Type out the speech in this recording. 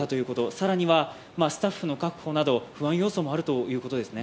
更にはスタッフの確保など、不安要素もあるということですね？